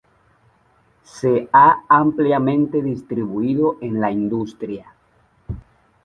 Se ha ampliamente distribuido en la industria.